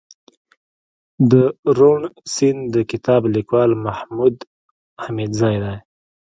دروڼ سيند دکتاب ليکوال محمودحميدزى دئ